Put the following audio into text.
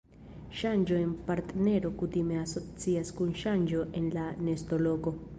Ŝanĝo en partnero kutime asocias kun ŝanĝo en la nestoloko.